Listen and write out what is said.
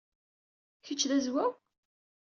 Kečč d Azwaw?